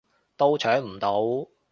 都搶唔到